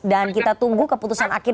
dan kita tunggu keputusan akhir